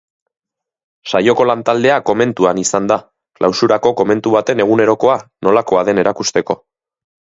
Saioko lantaldea komentuan izan da, klausurako komentu baten egunerokoa nolakoa den erakusteko.